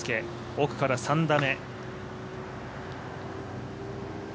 奥から３打目。